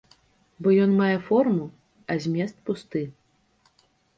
Бо ён мае форму, а змест пусты.